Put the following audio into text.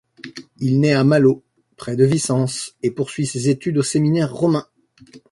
Il naît à Malo, près de Vicence, et poursuit ses études au séminaire romain.